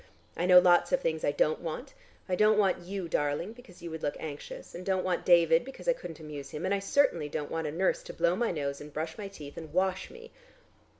I know lots of things I don't want. I don't want you, darling, because you would look anxious, and don't want David, because I couldn't amuse him, and I certainly don't want a nurse to blow my nose and brush my teeth and wash me."